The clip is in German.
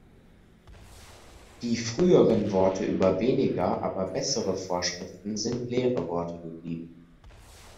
Die früheren Worte über weniger, aber bessere Vorschriften sind leere Worte geblieben.